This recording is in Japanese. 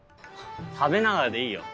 食べながらでいいよ。